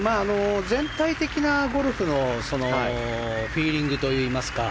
全体的なゴルフのフィーリングといいますか。